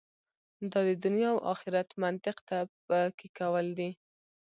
دا د دنیا او آخرت منطق تفکیکول دي.